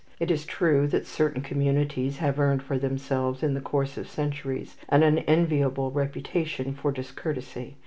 It is true that certain communities have earned for themselves in the course of centuries an unenviable reputation for discourtesy.